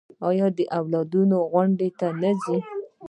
ایا د والدینو غونډې ته ځئ؟